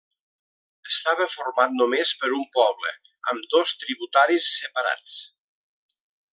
Estava format només per un poble, amb dos tributaris separats.